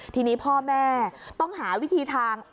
ทีนี้พ่อแม่ต้องหาวิธีทาง